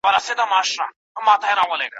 خپل قصاب ته د کلونو دوکاندار ته